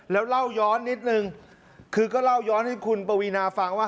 แล้วเล่าย้อนนิดนึงคือก็เล่าย้อนให้คุณปวีนาฟังว่า